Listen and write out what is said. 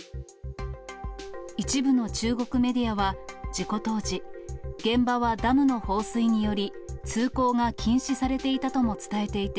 一部の中国メディアは、事故当時、現場はダムの放水により、通行が禁止されていたとも伝えていて、